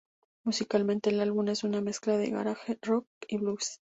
Musicalmente, el álbum es una mezcla entre Garage rock y Blues.